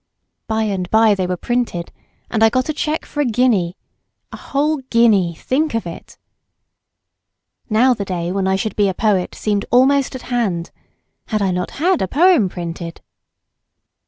By and by they were printed; and I got a cheque for a guinea—a whole guinea, think of it! Now the day when I should be a poet seemed almost at hand. Had I not had a poem printed